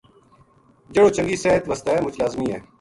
جہڑو چنگی صحت واسطے مُچ لازمی ہے۔